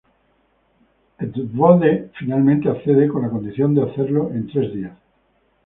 Kvothe finalmente accede, con la condición de hacerlo en tres días.